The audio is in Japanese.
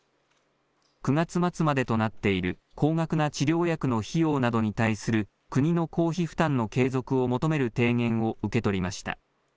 ９月末までとなっている高額な治療薬の費用などに対する国の公費負担の継続を求める提言を受け取りました。